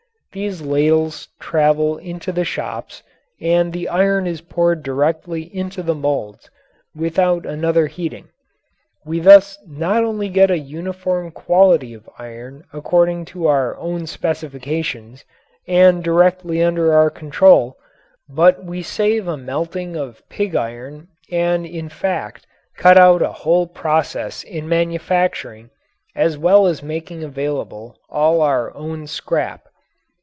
These ladles travel into the shops and the iron is poured directly into the moulds without another heating. We thus not only get a uniform quality of iron according to our own specifications and directly under our control, but we save a melting of pig iron and in fact cut out a whole process in manufacturing as well as making available all our own scrap.